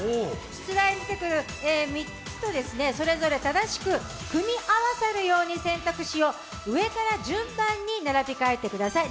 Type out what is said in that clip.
出題に出てくる３つとそれぞれ正しく組み合わさるように選択肢を上から順番に並び替えてください。